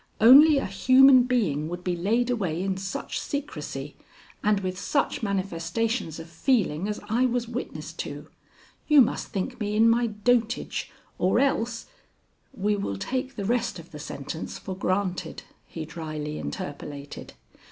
Only a human being would be laid away in such secrecy and with such manifestations of feeling as I was witness to. You must think me in my dotage, or else " "We will take the rest of the sentence for granted," he dryly interpolated.